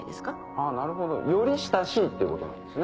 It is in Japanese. あぁなるほどより親しいってことなんですね？